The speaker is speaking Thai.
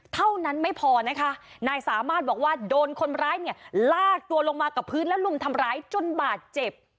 เท่านั้นไม่พอนะคะนายสามารถบอกว่าโดนคนร้ายเนี่ยลากตัวลงมากับพื้นแล้วลุมทำร้ายจนบาดเจ็บ